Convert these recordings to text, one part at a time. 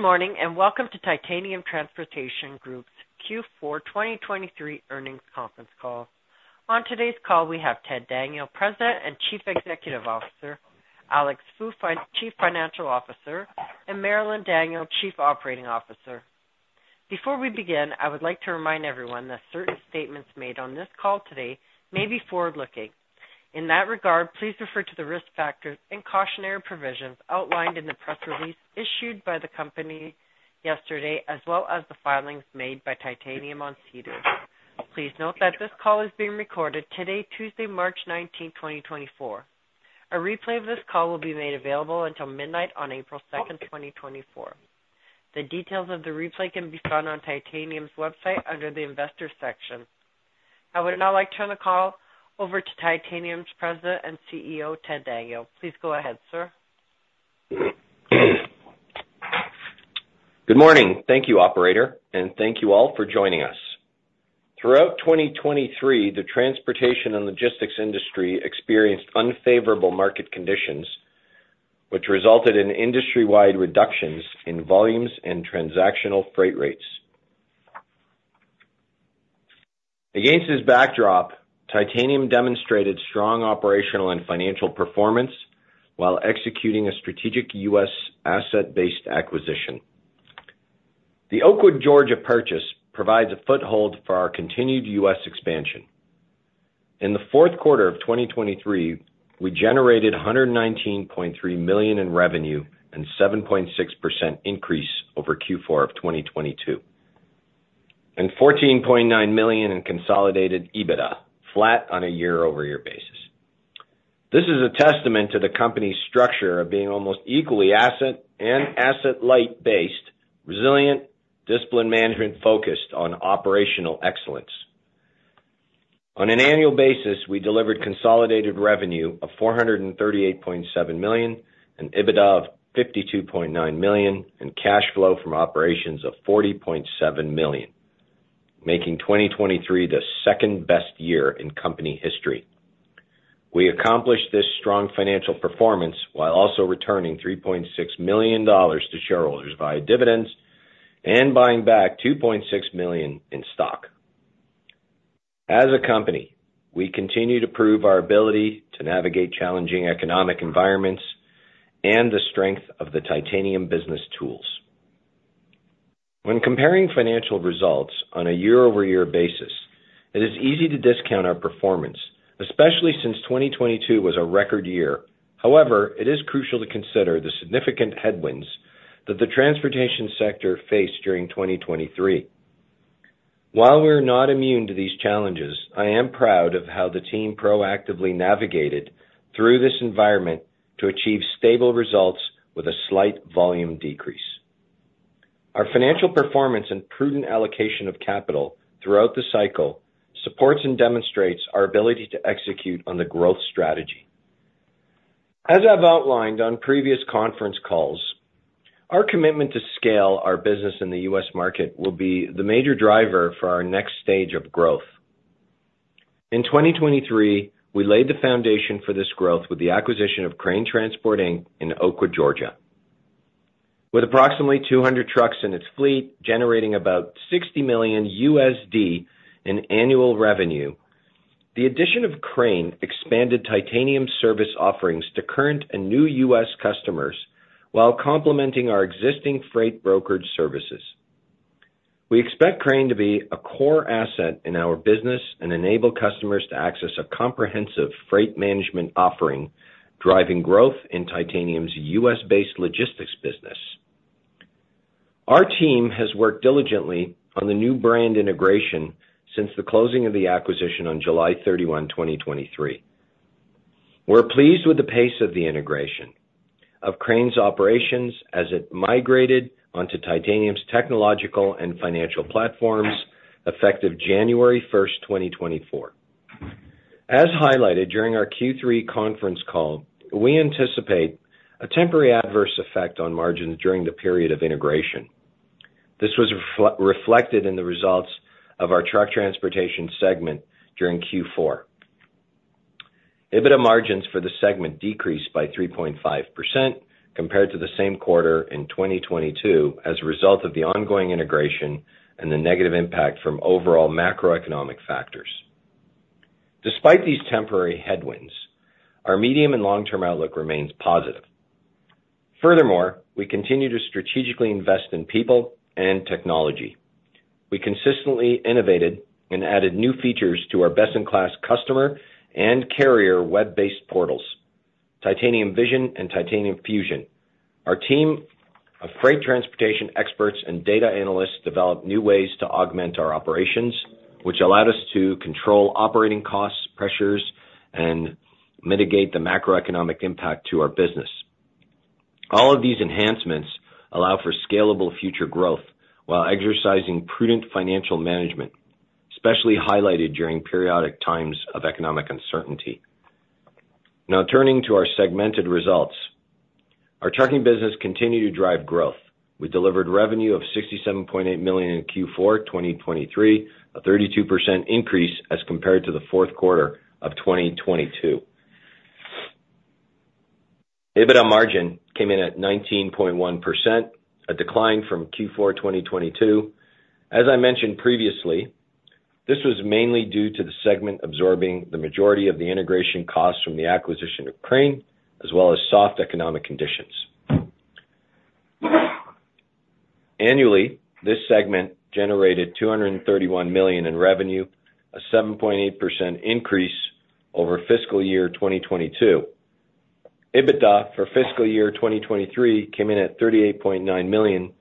Good morning, and welcome to Titanium Transportation Group's Q4 2023 earnings conference call. On today's call, we have Ted Daniel, President and Chief Executive Officer, Alex Fu, Chief Financial Officer, and Marilyn Daniel, Chief Operating Officer. Before we begin, I would like to remind everyone that certain statements made on this call today may be forward-looking. In that regard, please refer to the risk factors and cautionary provisions outlined in the press release issued by the company yesterday, as well as the filings made by Titanium on SEDAR. Please note that this call is being recorded today, Tuesday, March 19, 2024. A replay of this call will be made available until midnight on April 2, 2024. The details of the replay can be found on Titanium's website under the investor section. I would now like to turn the call over to Titanium's President and CEO, Ted Daniel. Please go ahead, sir. Good morning. Thank you, operator, and thank you all for joining us. Throughout 2023, the transportation and logistics industry experienced unfavorable market conditions, which resulted in industry-wide reductions in volumes and transactional freight rates. Against this backdrop, Titanium demonstrated strong operational and financial performance while executing a strategic U.S. asset-based acquisition. The Oakwood, Georgia, purchase provides a foothold for our continued U.S. expansion. In the fourth quarter of 2023, we generated CAD 119.3 million in revenue and 7.6% increase over Q4 of 2022, and 14.9 million in consolidated EBITDA, flat on a year-over-year basis. This is a testament to the company's structure of being almost equally asset and asset-light based, resilient, disciplined management, focused on operational excellence. On an annual basis, we delivered consolidated revenue of 438.7 million, an EBITDA of 52.9 million, and cash flow from operations of 40.7 million, making 2023 the second best year in company history. We accomplished this strong financial performance while also returning 3.6 million dollars to shareholders via dividends and buying back 2.6 million in stock. As a company, we continue to prove our ability to navigate challenging economic environments and the strength of the Titanium business tools. When comparing financial results on a year-over-year basis, it is easy to discount our performance, especially since 2022 was a record year. However, it is crucial to consider the significant headwinds that the transportation sector faced during 2023. While we are not immune to these challenges, I am proud of how the team proactively navigated through this environment to achieve stable results with a slight volume decrease. Our financial performance and prudent allocation of capital throughout the cycle supports and demonstrates our ability to execute on the growth strategy. As I've outlined on previous conference calls, our commitment to scale our business in the U.S. market will be the major driver for our next stage of growth. In 2023, we laid the foundation for this growth with the acquisition of Crane Transport Inc. in Oakwood, Georgia. With approximately 200 trucks in its fleet, generating about $60 million in annual revenue, the addition of Crane expanded Titanium service offerings to current and new U.S. customers while complementing our existing freight brokerage services. We expect Crane to be a core asset in our business and enable customers to access a comprehensive freight management offering, driving growth in Titanium's US-based logistics business. Our team has worked diligently on the new brand integration since the closing of the acquisition on July 31, 2023. We're pleased with the pace of the integration of Crane's operations as it migrated onto Titanium's technological and financial platforms, effective January 1, 2024. As highlighted during our Q3 conference call, we anticipate a temporary adverse effect on margins during the period of integration. This was reflected in the results of our truck transportation segment during Q4. EBITDA margins for the segment decreased by 3.5% compared to the same quarter in 2022, as a result of the ongoing integration and the negative impact from overall macroeconomic factors. Despite these temporary headwinds, our medium and long-term outlook remains positive. Furthermore, we continue to strategically invest in people and technology. We consistently innovated and added new features to our best-in-class customer and carrier web-based portals, Titanium Vision and Titanium Fusion. Our team of freight transportation experts and data analysts developed new ways to augment our operations, which allowed us to control operating costs, pressures, and mitigate the macroeconomic impact to our business. All of these enhancements allow for scalable future growth while exercising prudent financial management, especially highlighted during periodic times of economic uncertainty. Now, turning to our segmented results. Our trucking business continued to drive growth. We delivered revenue of 67.8 million in Q4 2023, a 32% increase as compared to the fourth quarter of 2022. EBITDA margin came in at 19.1%, a decline from Q4 2022. As I mentioned previously, this was mainly due to the segment absorbing the majority of the integration costs from the acquisition of Crane, as well as soft economic conditions. Annually, this segment generated 231 million in revenue, a 7.8% increase over fiscal year 2022. EBITDA for fiscal year 2023 came in at 38.9 million,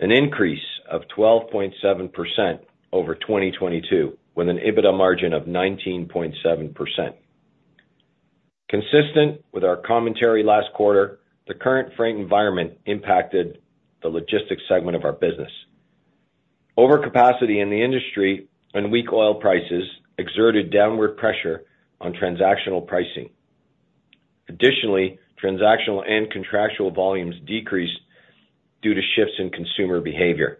an increase of 12.7% over 2022, with an EBITDA margin of 19.7%. Consistent with our commentary last quarter, the current freight environment impacted the logistics segment of our business. Overcapacity in the industry and weak oil prices exerted downward pressure on transactional pricing. Additionally, transactional and contractual volumes decreased due to shifts in consumer behavior.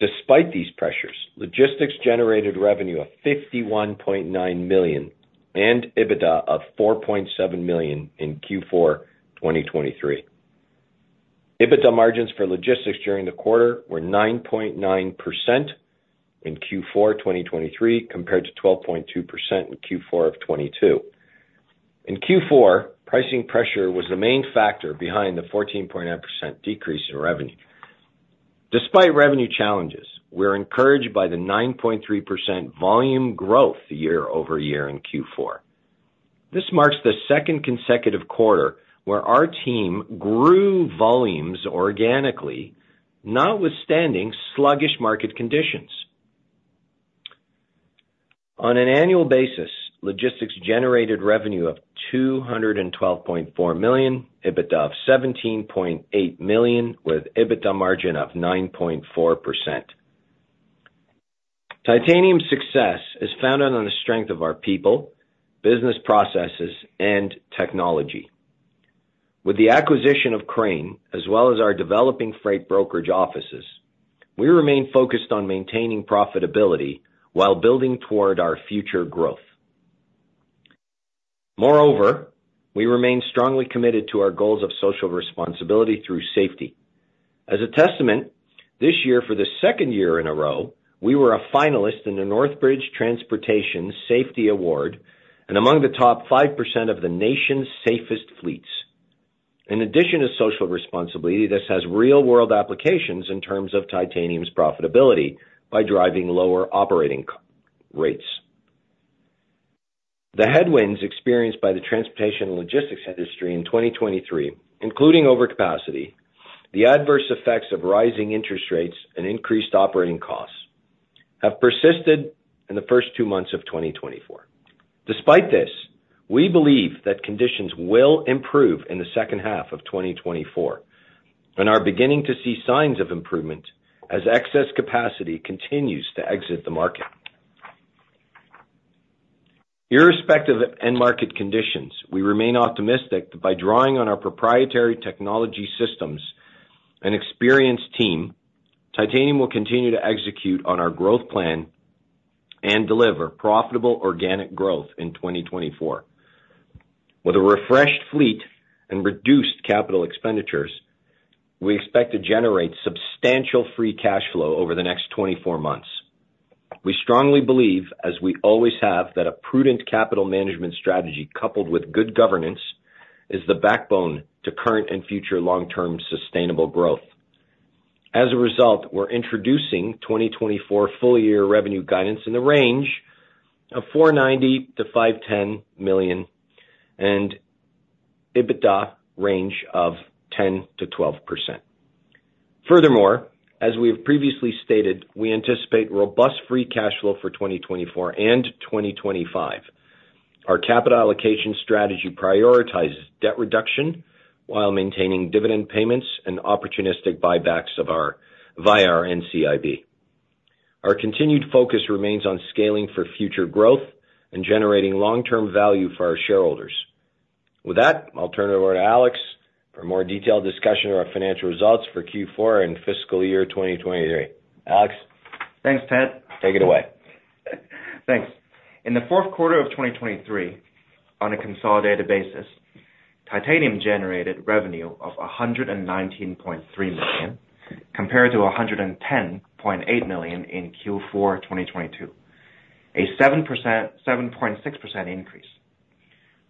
Despite these pressures, logistics generated revenue of 51.9 million and EBITDA of 4.7 million in Q4 2023. EBITDA margins for logistics during the quarter were 9.9% in Q4 2023, compared to 12.2% in Q4 2022. In Q4, pricing pressure was the main factor behind the 14.9% decrease in revenue. Despite revenue challenges, we're encouraged by the 9.3% volume growth year-over-year in Q4. This marks the second consecutive quarter where our team grew volumes organically, notwithstanding sluggish market conditions. On an annual basis, logistics generated revenue of 212.4 million, EBITDA of 17.8 million, with EBITDA margin of 9.4%. Titanium's success is founded on the strength of our people, business processes, and technology. With the acquisition of Crane, as well as our developing freight brokerage offices, we remain focused on maintaining profitability while building toward our future growth. Moreover, we remain strongly committed to our goals of social responsibility through safety. As a testament, this year, for the second year in a row, we were a finalist in the Northbridge Transportation Safety Award and among the top 5% of the nation's safest fleets. In addition to social responsibility, this has real-world applications in terms of Titanium's profitability by driving lower operating costs. The headwinds experienced by the transportation and logistics industry in 2023, including overcapacity, the adverse effects of rising interest rates and increased operating costs, have persisted in the first two months of 2024. Despite this, we believe that conditions will improve in the second half of 2024 and are beginning to see signs of improvement as excess capacity continues to exit the market. Irrespective of end market conditions, we remain optimistic that by drawing on our proprietary technology systems and experienced team, Titanium will continue to execute on our growth plan and deliver profitable organic growth in 2024. With a refreshed fleet and reduced capital expenditures, we expect to generate substantial free cash flow over the next 24 months. We strongly believe, as we always have, that a prudent capital management strategy, coupled with good governance, is the backbone to current and future long-term sustainable growth. As a result, we're introducing 2024 full-year revenue guidance in the range of 490 million-510 million and EBITDA range of 10%-12%. Furthermore, as we have previously stated, we anticipate robust free cash flow for 2024 and 2025. Our capital allocation strategy prioritizes debt reduction while maintaining dividend payments and opportunistic buybacks of our via our NCIB. Our continued focus remains on scaling for future growth and generating long-term value for our shareholders. With that, I'll turn it over to Alex for a more detailed discussion of our financial results for Q4 and fiscal year 2023. Alex? Thanks, Ted. Take it away. Thanks. In the fourth quarter of 2023, on a consolidated basis, Titanium generated revenue of 119.3 million, compared to 110.8 million in Q4 2022, a 7.6% increase.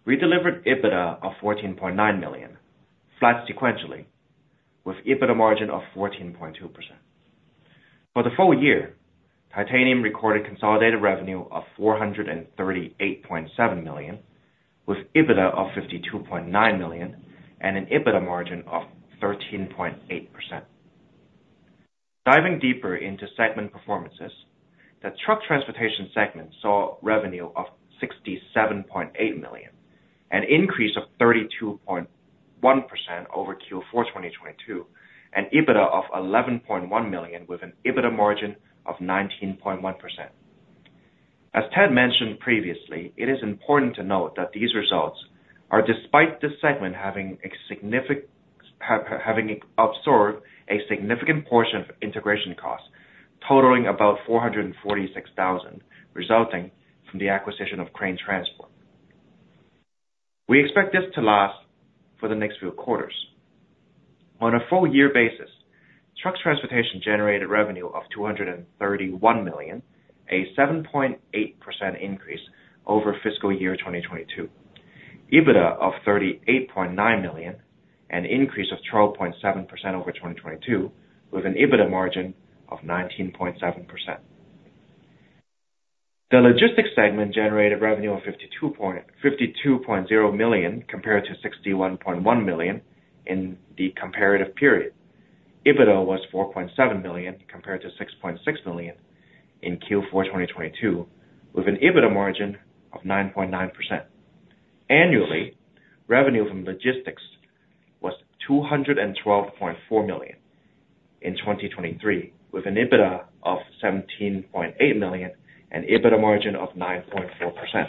We delivered EBITDA of 14.9 million, flat sequentially, with EBITDA margin of 14.2%. For the full year, Titanium recorded consolidated revenue of 438.7 million, with EBITDA of 52.9 million and an EBITDA margin of 13.8%. Diving deeper into segment performances, the truck transportation segment saw revenue of 67.8 million, an increase of 32.1% over Q4 2022, and EBITDA of 11.1 million, with an EBITDA margin of 19.1%. As Ted mentioned previously, it is important to note that these results are despite this segment having absorbed a significant portion of integration costs, totaling about 446,000, resulting from the acquisition of Crane Transport. We expect this to last for the next few quarters. On a full year basis, truck transportation generated revenue of 231 million, a 7.8% increase over fiscal year 2022. EBITDA of 38.9 million, an increase of 12.7% over 2022, with an EBITDA margin of 19.7%. The logistics segment generated revenue of 52.0 million compared to 61.1 million in the comparative period. EBITDA was 4.7 million compared to 6.6 million in Q4 2022, with an EBITDA margin of 9.9%. Annually, revenue from logistics was 212.4 million in 2023, with an EBITDA of 17.8 million and EBITDA margin of 9.4%.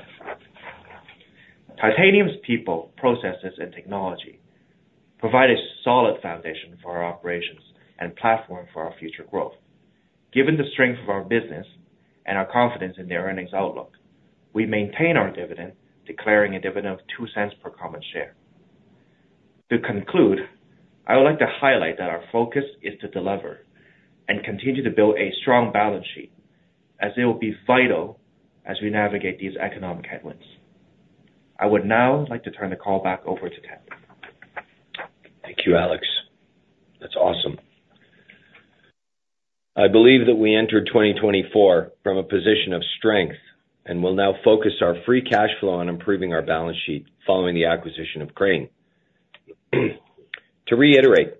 Titanium's people, processes, and technology provide a solid foundation for our operations and platform for our future growth. Given the strength of our business and our confidence in their earnings outlook, we maintain our dividend, declaring a dividend of 0.02 per common share. To conclude, I would like to highlight that our focus is to deliver and continue to build a strong balance sheet as it will be vital as we navigate these economic headwinds. I would now like to turn the call back over to Ted. Thank you, Alex. That's awesome. I believe that we entered 2024 from a position of strength and will now focus our free cash flow on improving our balance sheet following the acquisition of Crane. To reiterate,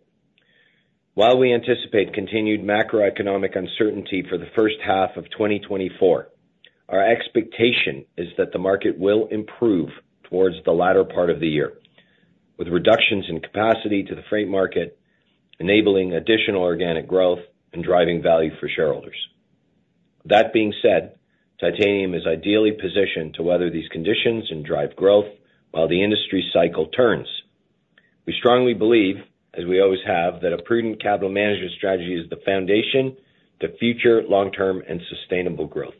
while we anticipate continued macroeconomic uncertainty for the first half of 2024, our expectation is that the market will improve towards the latter part of the year, with reductions in capacity to the freight market, enabling additional organic growth and driving value for shareholders. That being said, Titanium is ideally positioned to weather these conditions and drive growth while the industry cycle turns. We strongly believe, as we always have, that a prudent capital management strategy is the foundation to future long-term and sustainable growth.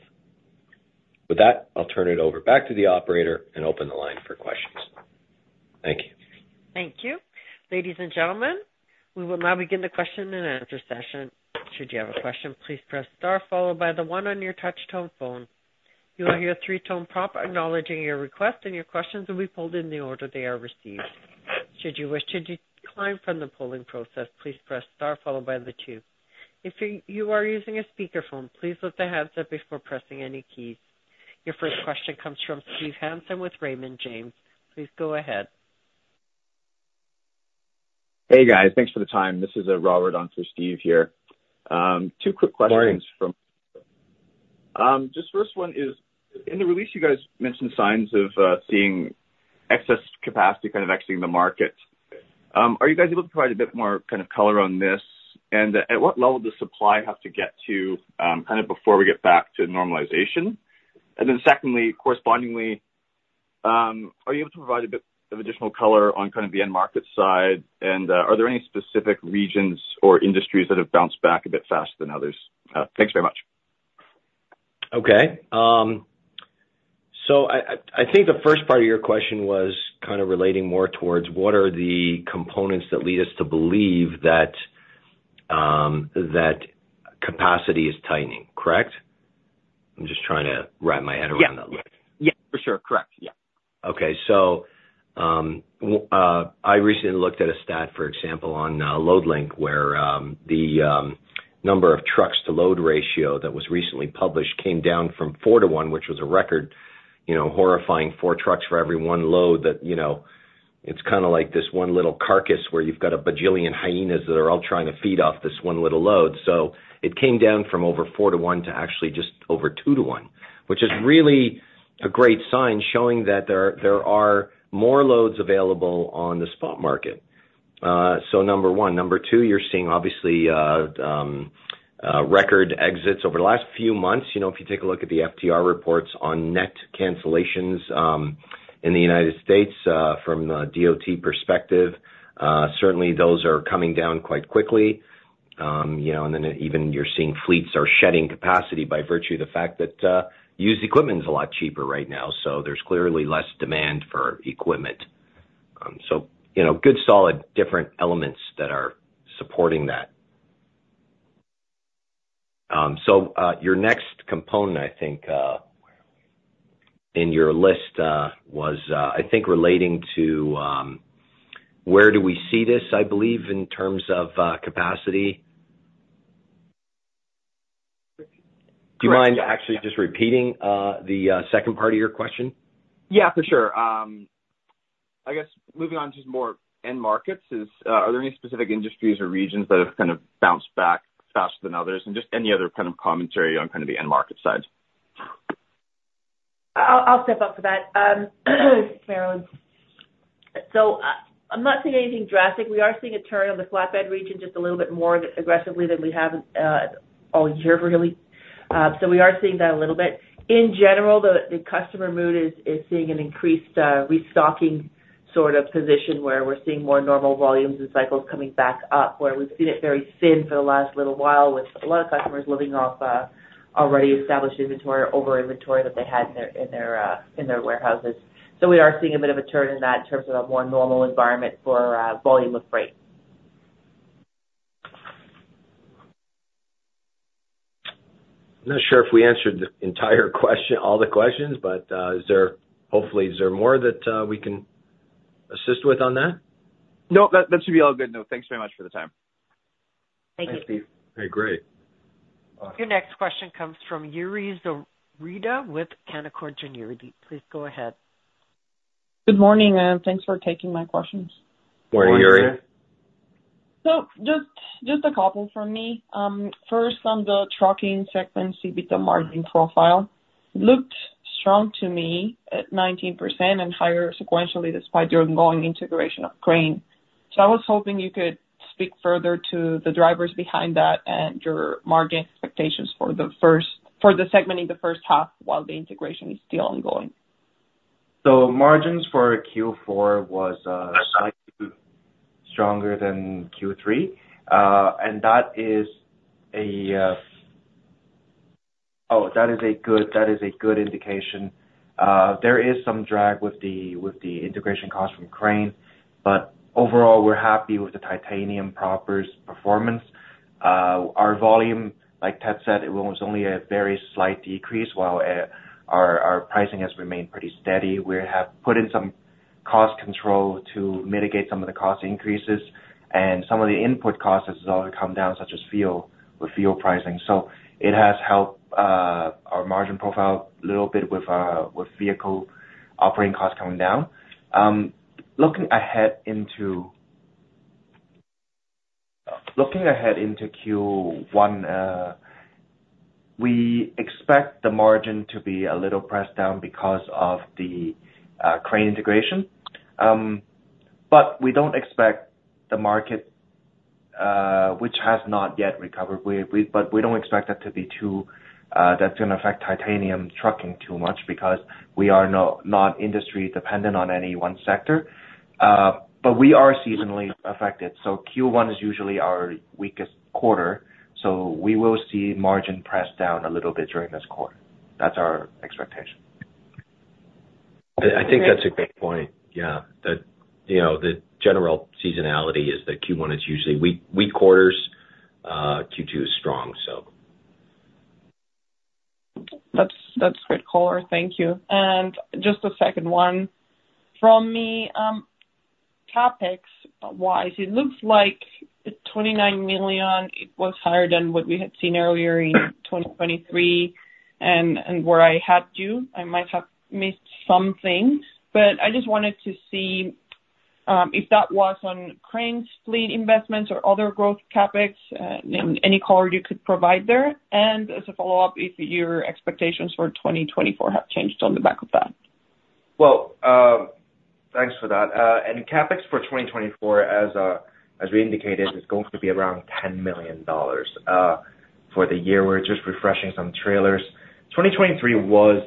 With that, I'll turn it over back to the operator and open the line for questions. Thank you. Thank you. Ladies and gentlemen, we will now begin the question and answer session. Should you have a question, please press star followed by the one on your touch tone phone. You will hear a three-tone prompt acknowledging your request, and your questions will be pulled in the order they are received. Should you wish to decline from the polling process, please press star followed by the two. If you are using a speakerphone, please lift the handset before pressing any keys. Your first question comes from Steve Hansen with Raymond James. Please go ahead. Hey, guys. Thanks for the time. This is Robert on for Steve here. Two quick questions from- Morning. Just first one is, in the release, you guys mentioned signs of seeing excess capacity kind of exiting the market. Are you guys able to provide a bit more kind of color on this? And at what level does supply have to get to, kind of before we get back to normalization? And then secondly, correspondingly, are you able to provide a bit of additional color on kind of the end market side? And, are there any specific regions or industries that have bounced back a bit faster than others? Thanks very much. Okay. So I think the first part of your question was kind of relating more towards what are the components that lead us to believe that capacity is tightening, correct? I'm just trying to wrap my head around that. Yeah. Yeah, for sure. Correct. Yeah. Okay. So, I recently looked at a stat, for example, on Loadlink, where the number of trucks to load ratio that was recently published came down from four to one, which was a record, you know, horrifying four trucks for every one load that, you know, it's kind of like this one little carcass where you've got a bajillion hyenas that are all trying to feed off this one little load. So it came down from over four-to-one to actually just over two-to-one, which is really a great sign showing that there are more loads available on the spot market. So number one. Number two, you're seeing obviously record exits over the last few months. You know, if you take a look at the FTR reports on net cancellations, in the United States, from a DOT perspective, certainly those are coming down quite quickly. You know, and then even you're seeing fleets are shedding capacity by virtue of the fact that, used equipment is a lot cheaper right now, so there's clearly less demand for equipment. So, you know, good, solid, different elements that are supporting that. So, your next component, I think, in your list, was, I think relating to, where do we see this, I believe, in terms of, capacity? Correct. Do you mind actually just repeating the second part of your question? Yeah, for sure. I guess moving on to more end markets, are there any specific industries or regions that have kind of bounced back faster than others? And just any other kind of commentary on kind of the end market side. I'll step up for that. So, I'm not seeing anything drastic. We are seeing a turn on the flatbed region just a little bit more aggressively than we have, all year, really.... So we are seeing that a little bit. In general, the customer mood is seeing an increased restocking sort of position, where we're seeing more normal volumes and cycles coming back up, where we've seen it very thin for the last little while, with a lot of customers living off already established inventory or over inventory that they had in their warehouses. So we are seeing a bit of a turn in that in terms of a more normal environment for volume of freight. I'm not sure if we answered the entire question, all the questions, but hopefully, is there more that we can assist with on that? No, that, that should be all good, though. Thanks very much for the time. Thank you. Thanks, Steve. Okay, great. Your next question comes from Yuri Zoreda with Canaccord Genuity. Please go ahead. Good morning, and thanks for taking my questions. Morning, Yuri. So just a couple from me. First, on the trucking segment, EBITDA margin profile looked strong to me at 19% and higher sequentially, despite your ongoing integration of Crane. So I was hoping you could speak further to the drivers behind that and your margin expectations for the segment in the first half, while the integration is still ongoing. So margins for Q4 was slightly stronger than Q3. And that is a good, that is a good indication. There is some drag with the integration cost from Crane, but overall, we're happy with the Titanium performance. Our volume, like Ted said, it was only a very slight decrease, while our pricing has remained pretty steady. We have put in some cost control to mitigate some of the cost increases, and some of the input costs has also come down, such as fuel, with fuel pricing. So it has helped our margin profile a little bit with vehicle operating costs coming down. Looking ahead into Q1, we expect the margin to be a little pressed down because of the Crane integration. But we don't expect the market, which has not yet recovered. But we don't expect that to be too, that's going to affect titanium trucking too much because we are not industry dependent on any one sector. But we are seasonally affected, so Q1 is usually our weakest quarter, so we will see margin press down a little bit during this quarter. That's our expectation. I think that's a great point. Yeah. That, you know, the general seasonality is that Q1 is usually weak quarters, Q2 is strong, so. That's, that's great color. Thank you. And just a second one from me. CapEx-wise, it looks like the 29 million, it was higher than what we had seen earlier in 2023, and, and where I had you. I might have missed something, but I just wanted to see if that was on Crane's fleet investments or other growth CapEx, any color you could provide there. And as a follow-up, if your expectations for 2024 have changed on the back of that? Well, thanks for that. And CapEx for 2024, as we indicated, is going to be around 10 million dollars. For the year, we're just refreshing some trailers. 2023 was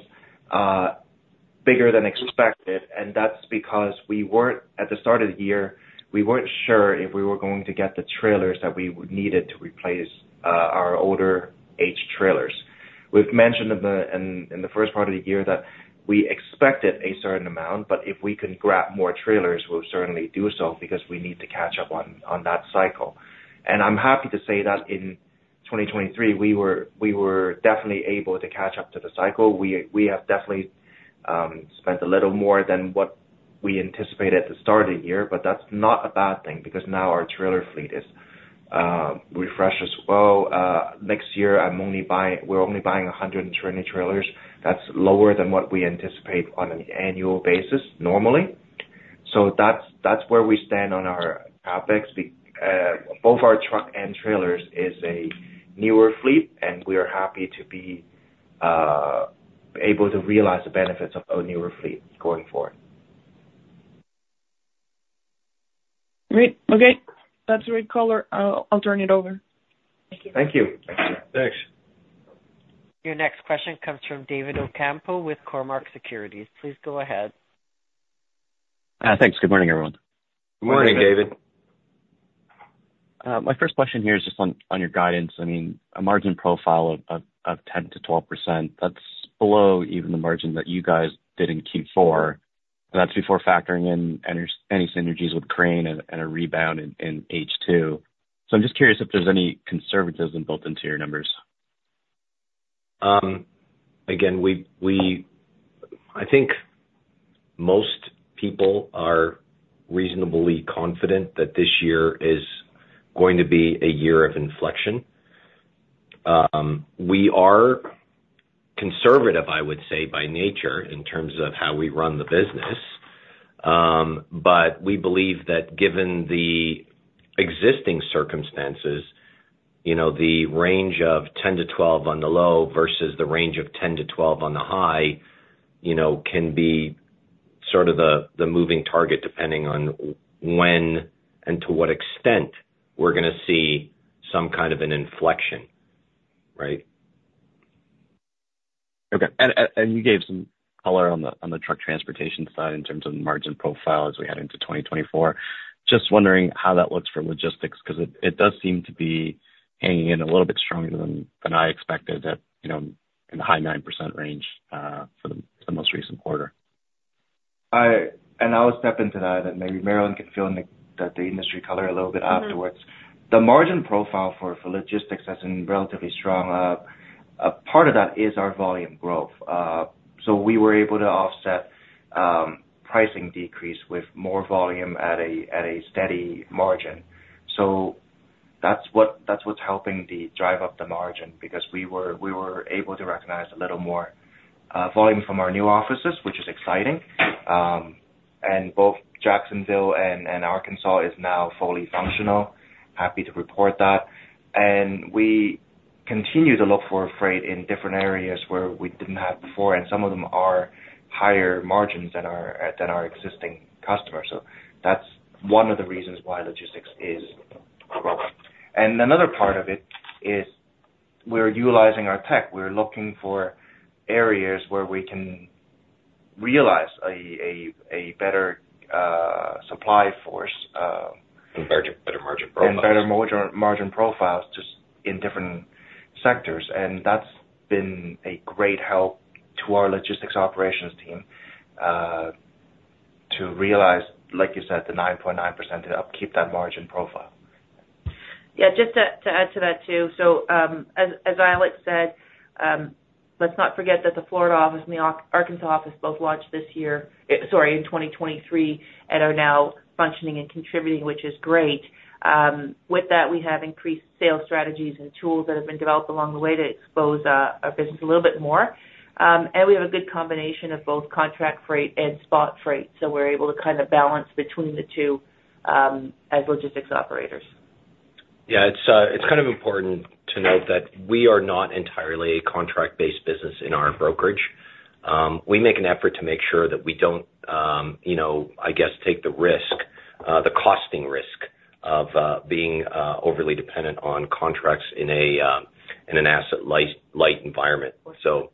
bigger than expected, and that's because we weren't at the start of the year, we weren't sure if we were going to get the trailers that we would needed to replace our older aged trailers. We've mentioned in the first part of the year that we expected a certain amount, but if we can grab more trailers, we'll certainly do so because we need to catch up on that cycle. And I'm happy to say that in 2023, we were definitely able to catch up to the cycle. We, we have definitely spent a little more than what we anticipated at the start of the year, but that's not a bad thing, because now our trailer fleet is refreshed as well. Next year, I'm only buying -- we're only buying 120 trailers. That's lower than what we anticipate on an annual basis, normally. So that's, that's where we stand on our CapEx. Both our truck and trailers is a newer fleet, and we are happy to be able to realize the benefits of a newer fleet going forward. Great. Okay. That's great color. I'll, I'll turn it over. Thank you. Thank you. Thanks. Your next question comes from David Ocampo with Cormark Securities. Please go ahead. Thanks. Good morning, everyone. Good morning, David. My first question here is just on your guidance. I mean, a margin profile of 10%-12%, that's below even the margin that you guys did in Q4. That's before factoring in any synergies with Crane and a rebound in H2. So I'm just curious if there's any conservatism built into your numbers. Again, I think most people are reasonably confident that this year is going to be a year of inflection. We are conservative, I would say, by nature, in terms of how we run the business. But we believe that given the existing circumstances, you know, the range of 10-12 on the low versus the range of 10-12 on the high, you know, can be sort of the moving target, depending on when and to what extent we're gonna see some kind of an inflection, right? Okay. And you gave some color on the truck transportation side in terms of margin profile as we head into 2024. Just wondering how that looks for logistics, 'cause it does seem to be hanging in a little bit stronger than I expected at, you know, in the high 9% range, for the most recent quarter. And I'll step into that, and maybe Marilyn can fill in the industry color a little bit afterwards. Mm-hmm. The margin profile for logistics has been relatively strong. A part of that is our volume growth. So we were able to offset pricing decrease with more volume at a steady margin. So that's what's helping drive up the margin, because we were able to recognize a little more volume from our new offices, which is exciting. And both Jacksonville and Arkansas are now fully functional. Happy to report that. And we continue to look for freight in different areas where we didn't have before, and some of them are higher margins than our existing customers. So that's one of the reasons why logistics is growing. And another part of it is we're utilizing our tech. We're looking for areas where we can realize a better supply source. Margin, better margin profiles. Better margin, margin profiles, just in different sectors. That's been a great help to our logistics operations team to realize, like you said, the 9.9% and upkeep that margin profile. Yeah, just to add to that, too. So, as Alex said, let's not forget that the Florida office and the Arkansas office both launched this year, sorry, in 2023, and are now functioning and contributing, which is great. With that, we have increased sales strategies and tools that have been developed along the way to expose our business a little bit more. And we have a good combination of both contract freight and spot freight, so we're able to kind of balance between the two, as logistics operators. Yeah, it's kind of important to note that we are not entirely a contract-based business in our brokerage. We make an effort to make sure that we don't, you know, I guess, take the risk, the costing risk of being overly dependent on contracts in an asset-light environment. So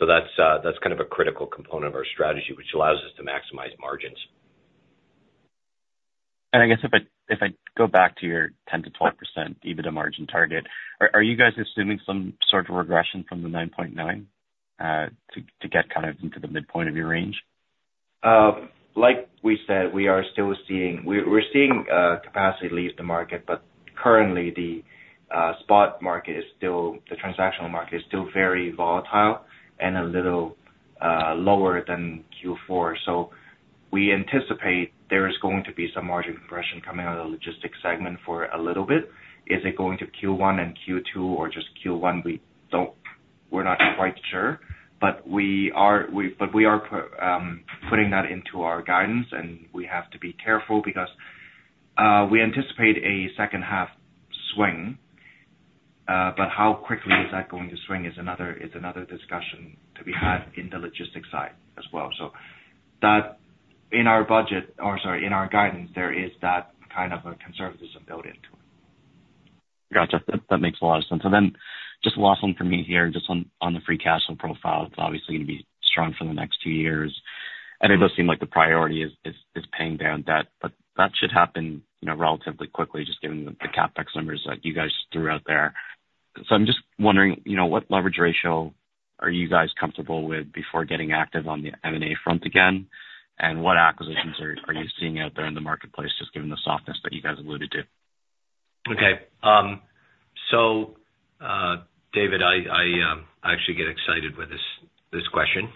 that's kind of a critical component of our strategy, which allows us to maximize margins. I guess if I go back to your 10%-12% EBITDA margin target, are you guys assuming some sort of regression from the 9.9 to get kind of into the midpoint of your range? Like we said, we are still seeing... We're seeing capacity leave the market, but currently the spot market is still, the transactional market is still very volatile and a little lower than Q4. So we anticipate there is going to be some margin compression coming out of the logistics segment for a little bit. Is it going to Q1 and Q2 or just Q1? We don't-- we're not quite sure, but we are, we, but we are putting that into our guidance, and we have to be careful because we anticipate a second half swing. But how quickly is that going to swing is another discussion to be had in the logistics side as well. So that in our budget, or sorry, in our guidance, there is that kind of a conservatism built into it. Gotcha. That makes a lot of sense. So then just last one for me here, just on the free cash flow profile. It's obviously going to be strong for the next two years, and it does seem like the priority is paying down debt, but that should happen, you know, relatively quickly, just given the CapEx numbers that you guys threw out there. So I'm just wondering, you know, what leverage ratio are you guys comfortable with before getting active on the M&A front again? And what acquisitions are you seeing out there in the marketplace, just given the softness that you guys alluded to? Okay. So, David, I actually get excited with this question.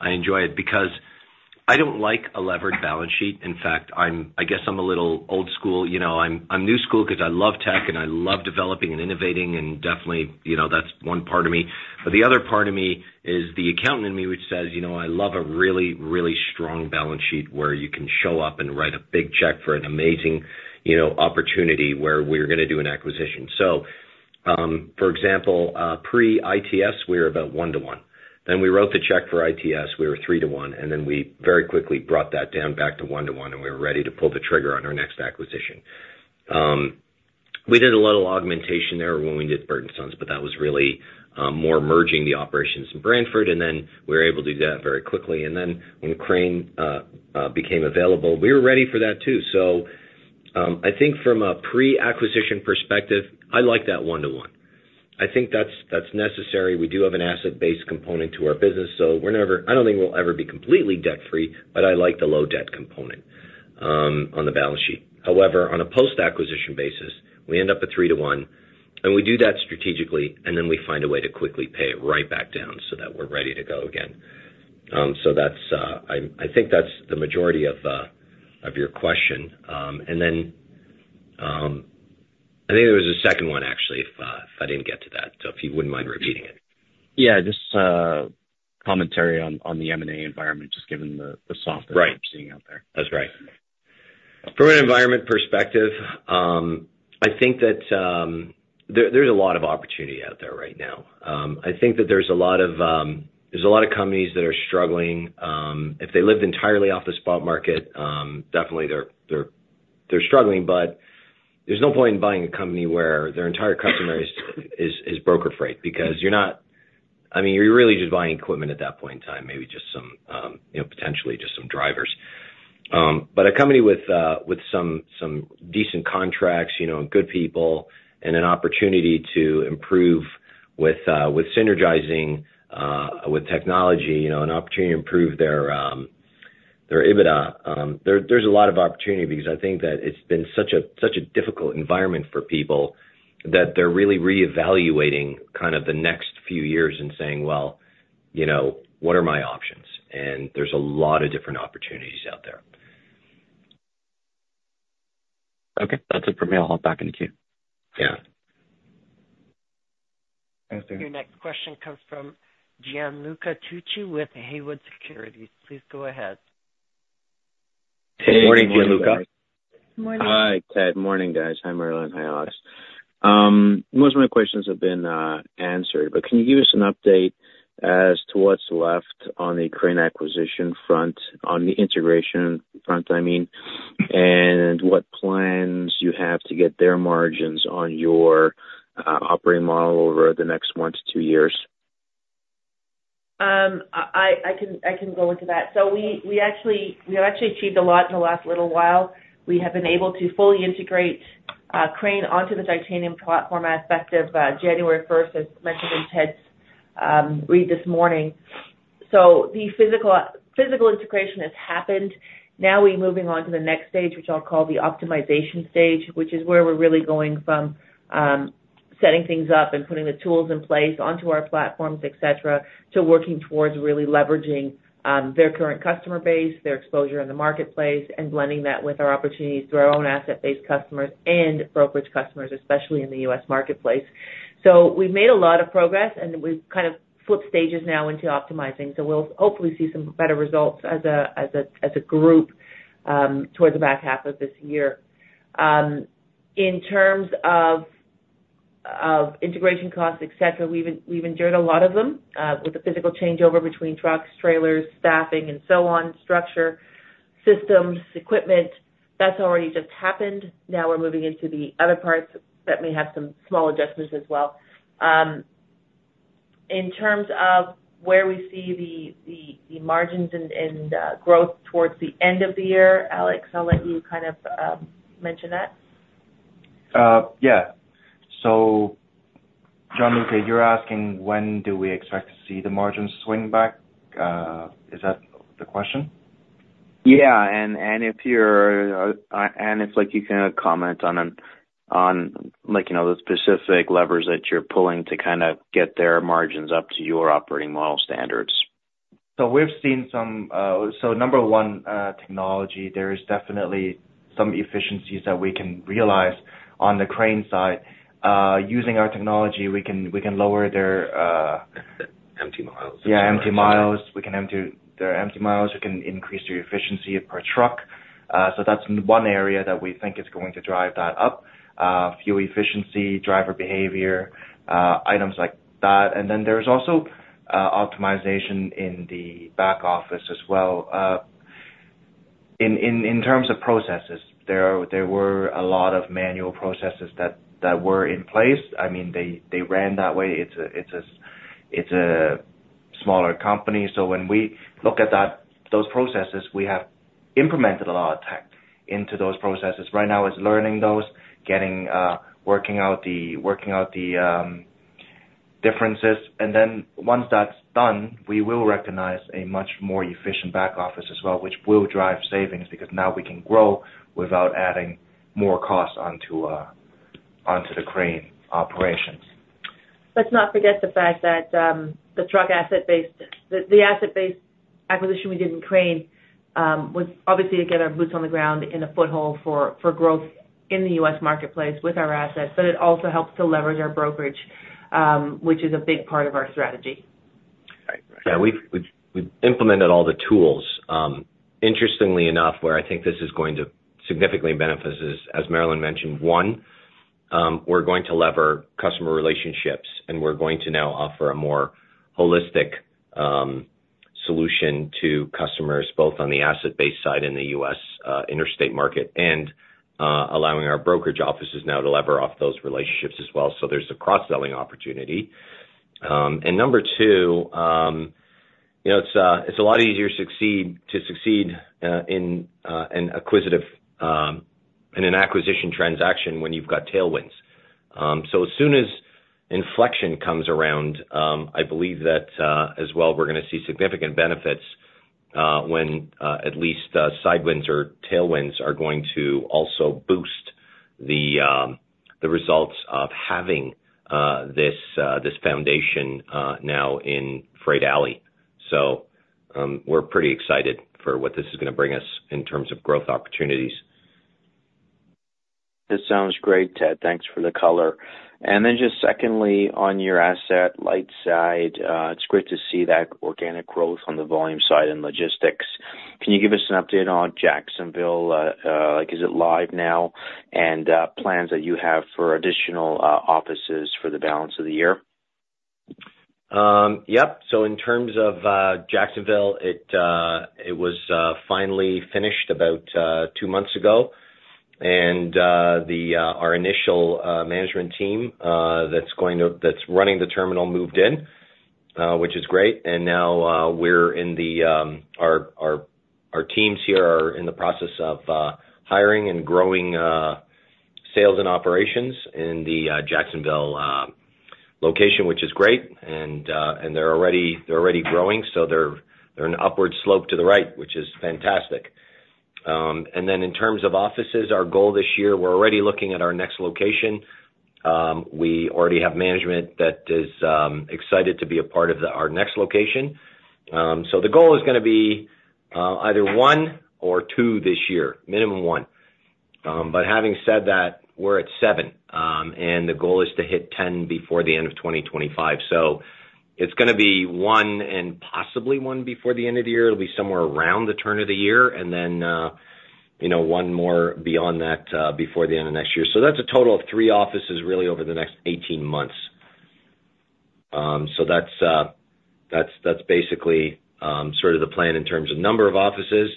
I enjoy it because I don't like a levered balance sheet. In fact, I guess I'm a little old school. You know, I'm new school because I love tech, and I love developing and innovating, and definitely, you know, that's one part of me. But the other part of me is the accountant in me, which says, "You know, I love a really, really strong balance sheet, where you can show up and write a big check for an amazing, you know, opportunity, where we're gonna do an acquisition." So, for example, pre-ITS, we were about one to one. Then we wrote the check for ITS, we were three to one, and then we very quickly brought that down back to one to one, and we were ready to pull the trigger on our next acquisition. We did a little augmentation there when we did Bert & Son’s Cartage Ltd., but that was really, more merging the operations in Brantford, and then we were able to do that very quickly. And then when Crane became available, we were ready for that too. So, I think from a pre-acquisition perspective, I like that one to one. I think that's, that's necessary. We do have an asset-based component to our business, so we're never... I don't think we'll ever be completely debt-free, but I like the low debt component, on the balance sheet. However, on a post-acquisition basis, we end up at three to one, and we do that strategically, and then we find a way to quickly pay it right back down so that we're ready to go again. So that's, I think that's the majority of your question. And then, I think there was a second one, actually, if I didn't get to that. So if you wouldn't mind repeating it. Yeah. Just commentary on the M&A environment, just given the softness- Right. - we're seeing out there. That's right. From an environment perspective, I think that, there, there's a lot of opportunity out there right now. I think that there's a lot of, there's a lot of companies that are struggling. If they lived entirely off the spot market, definitely they're struggling, but there's no point in buying a company where their entire customer is broker freight, because you're not-- I mean, you're really just buying equipment at that point in time, maybe just some, you know, potentially just some drivers. But a company with some decent contracts, you know, and good people, and an opportunity to improve with synergizing with technology, you know, an opportunity to improve their EBITDA. There's a lot of opportunity because I think that it's been such a difficult environment for people, that they're really reevaluating kind of the next few years and saying, "Well, you know, what are my options?" And there's a lot of different opportunities out there. Okay. That's it for me. I'll hop back in the queue. Yeah. Your next question comes from Gianluca Tucci with Haywood Securities. Please go ahead. Good morning, Gianluca. Morning. Hi, Ted. Morning, guys. Hi, Marilyn. Hi, Alex. Most of my questions have been answered, but can you give us an update as to what's left on the Crane acquisition front, on the integration front, I mean, and what plans you have to get their margins on your operating model over the next one-two years? I can go into that. So we've actually achieved a lot in the last little while. We have been able to fully integrate Crane onto the Titanium platform as effective January first, as mentioned in Ted's read this morning. So the physical integration has happened. Now, we're moving on to the next stage, which I'll call the optimization stage, which is where we're really going from setting things up and putting the tools in place onto our platforms, et cetera, to working towards really leveraging their current customer base, their exposure in the marketplace, and blending that with our opportunities through our own asset-based customers and brokerage customers, especially in the U.S. marketplace. So we've made a lot of progress, and we've kind of flipped stages now into optimizing. So we'll hopefully see some better results as a group towards the back half of this year. In terms of integration costs, et cetera, we've endured a lot of them with the physical changeover between trucks, trailers, staffing, and so on, structure, systems, equipment. That's already just happened. Now, we're moving into the other parts that may have some small adjustments as well. In terms of where we see the margins and growth towards the end of the year, Alex, I'll let you kind of mention that. Yeah. So, Gianluca, you're asking, when do we expect to see the margins swing back? Is that the question? Yeah, and, and if you're, and if, like, you know, the specific levers that you're pulling to kind of get their margins up to your operating model standards. So we've seen some... So number one, technology. There is definitely some efficiencies that we can realize on the Crane side. Using our technology, we can, we can lower their, Empty miles. Yeah, empty miles. We can empty their empty miles. We can increase the efficiency per truck. So that's one area that we think is going to drive that up. Fuel efficiency, driver behavior, items like that. And then there's also optimization in the back office as well. In terms of processes, there are - there were a lot of manual processes that were in place. I mean, they ran that way. It's a smaller company. So when we look at that, those processes, we have implemented a lot of tech into those processes. Right now, it's learning those, getting working out the differences. And then once that's done, we will recognize a much more efficient back office as well, which will drive savings, because now we can grow without adding more costs onto the Crane operations. Let's not forget the fact that the asset-based acquisition we did in Crane was obviously to get our boots on the ground in a foothold for growth in the U.S. marketplace with our assets, but it also helps to leverage our brokerage, which is a big part of our strategy. Yeah, we've implemented all the tools. Interestingly enough, where I think this is going to significantly benefit us, as Marilyn mentioned, one, we're going to lever customer relationships, and we're going to now offer a more holistic solution to customers, both on the asset-based side in the U.S. interstate market, and allowing our brokerage offices now to lever off those relationships as well. So there's a cross-selling opportunity. And number two, you know, it's a lot easier to succeed in an acquisitive, in an acquisition transaction when you've got tailwinds. So as soon as inflection comes around, I believe that, as well, we're gonna see significant benefits, when, at least the sidewinds or tailwinds are going to also boost the, the results of having, this, this foundation, now in Freight Alley. So, we're pretty excited for what this is gonna bring us in terms of growth opportunities. ... This sounds great, Ted. Thanks for the color. And then just secondly, on your asset light side, it's great to see that organic growth on the volume side and logistics. Can you give us an update on Jacksonville? Like, is it live now? And plans that you have for additional offices for the balance of the year. Yep. So in terms of Jacksonville, it was finally finished about two months ago. And our initial management team that's running the terminal moved in, which is great. And now, our teams here are in the process of hiring and growing sales and operations in the Jacksonville location, which is great. And they're already growing, so they're an upward slope to the right, which is fantastic. And then in terms of offices, our goal this year, we're already looking at our next location. We already have management that is excited to be a part of our next location. So the goal is gonna be either one or two this year, minimum one. But having said that, we're at seven, and the goal is to hit 10 before the end of 2025. So it's gonna be one and possibly one before the end of the year. It'll be somewhere around the turn of the year, and then, you know, one more beyond that, before the end of next year. So that's a total of three offices, really, over the next 18 months. So that's, that's, that's basically, sort of the plan in terms of number of offices.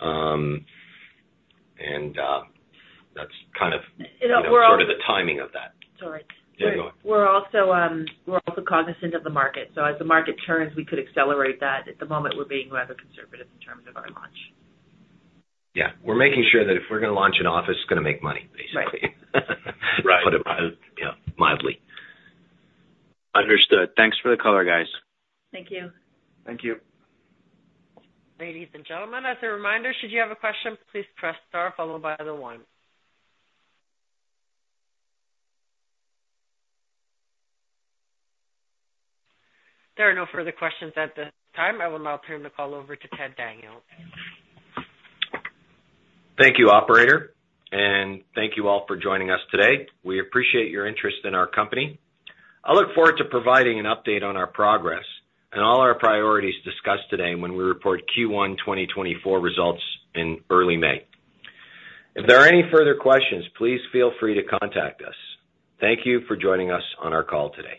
And, that's kind of, you know, sort of the timing of that. Sorry. Yeah, go on. We're also cognizant of the market. So as the market turns, we could accelerate that. At the moment, we're being rather conservative in terms of our launch. Yeah, we're making sure that if we're gonna launch an office, it's gonna make money, basically. Right. Right. To put it, yeah, mildly. Understood. Thanks for the color, guys. Thank you. Thank you. Ladies and gentlemen, as a reminder, should you have a question, please press star followed by the one. There are no further questions at this time. I will now turn the call over to Ted Daniel. Thank you, operator, and thank you all for joining us today. We appreciate your interest in our company. I look forward to providing an update on our progress and all our priorities discussed today when we report Q1 2024 results in early May. If there are any further questions, please feel free to contact us. Thank you for joining us on our call today.